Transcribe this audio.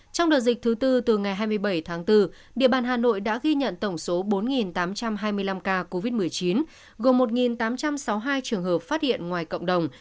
trong đợt dịch thứ tư từ ngày hai mươi bảy tháng bốn địa bàn hà nội đã ghi nhận tổng số bốn tám trăm hai mươi năm ca covid một mươi chín gồm một tám trăm sáu mươi hai trường hợp phát hiện ngoài cộng đồng